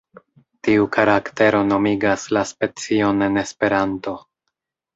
Tiu karaktero nomigas la specion en Esperanto.